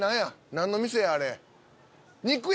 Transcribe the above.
何の店やあれ。